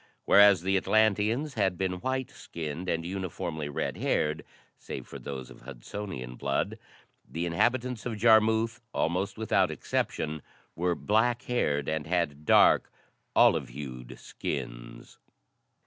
Whereas the Atlanteans had been white skinned and uniformly red haired save for those of Hudsonian blood the inhabitants of Jarmuth almost without exception were black haired and had dark, olive hued skins.